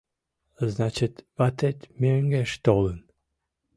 Значит, ватет мӧҥгеш толын?